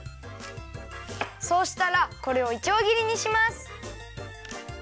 そうしたらこれをいちょうぎりにします。